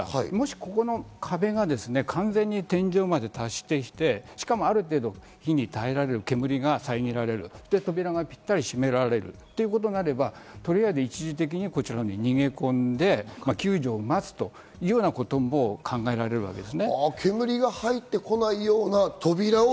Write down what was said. ここの壁が完全に天井まで達していて、しかもある程度火に耐えられる、煙りが遮られる、扉がぴったり閉められるということになれば一時的にこちらに逃げ込んで、救助を待つというようなことも考えられるわけです。